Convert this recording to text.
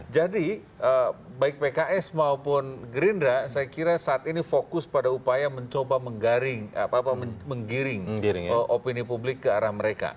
jadi baik pks maupun gerindra saya kira saat ini fokus pada upaya mencoba menggiring opini publik ke arah mereka